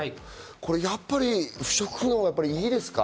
やっぱり不織布のほうがいいですか？